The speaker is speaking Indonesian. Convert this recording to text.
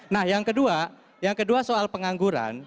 nah yang kedua yang kedua soal pengangguran